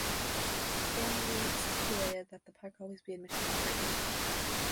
The family stipulated that the park always be admission-free.